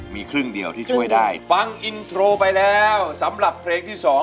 มีครึ่งเดียวที่ช่วยได้ฟังอินโทรไปแล้วสำหรับเพลงที่๒